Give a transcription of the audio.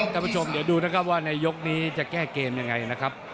ท่านผู้ชมเดี๋ยวดูนะครับว่าในยกนี้จะแก้เกมยังไงนะครับ